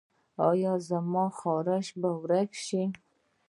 ایا زما خارښ به ورک شي؟